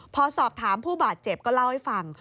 พอสอบถามผู้บาดเจ็บก็เล่าให้ฟัง